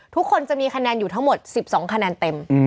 ทุกคนจะมีคะแนนอยู่ทั้งหมด๑๒คะแนนเต็ม